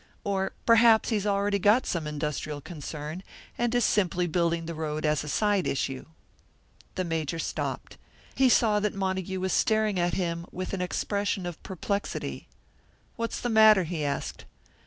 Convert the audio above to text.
Or perhaps he's already got some industrial concern, and is simply building the road as a side issue." The Major stopped. He saw that Montague was staring at him with an expression of perplexity. "What's the matter?" he asked.